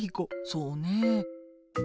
そうねえ。